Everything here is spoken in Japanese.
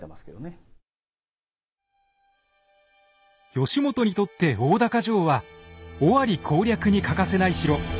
義元にとって大高城は尾張攻略に欠かせない城。